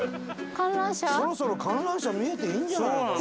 そろそろ観覧車見えていいんじゃないのかな。